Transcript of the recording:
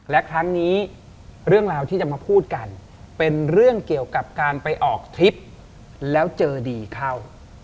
และครั้งนี้เรื่องราวที่จะมาพูดกันเป็นเรื่องเกี่ยวกับการไปออกทริปแล้วเจอดีเข้า